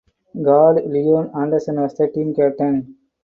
Guard Leon Anderson was the team captain.